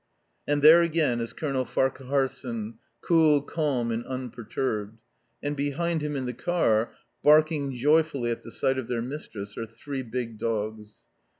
And there again is Colonel Farquharson, cool, calm, and unperturbed. And behind him, in the car, barking joyfully at the sight of their mistress, are three big dogs.